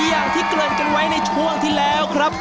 อย่างที่เกริ่นกันไว้ในช่วงที่แล้วครับ